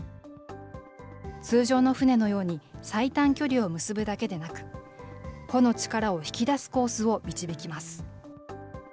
通常の船のように、最短距離を結ぶだけでなく、帆の力を引き出すコースを導きます。